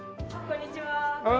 こんにちは。